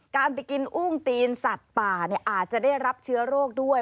การไปกินอุ้งตีนสัตว์ป่าอาจจะได้รับเชื้อโรคด้วย